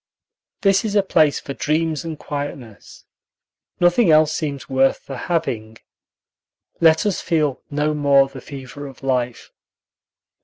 This is a place for dreams and quietness. Nothing else seems worth the having. Let us feel no more the fever of life.